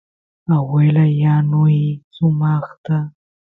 aguelay yanuy sumaqta